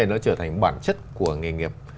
nó trở thành bản chất của nghề nghiệp